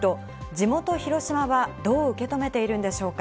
地元・広島はどう受け止めているんでしょうか。